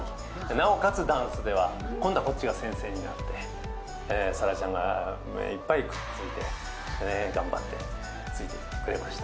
なおかつダンスでは、今度はこっちが先生になって、颯良ちゃんが頑張ってついていってくれました。